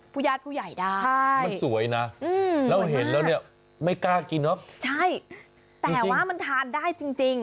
ภูเยาท์ผู้ใหญ่ได้อยนอะแล้วเห็นลองให้ไม่กล้ากินเนอะใช่แต่ว่ามันทานได้เนี่ย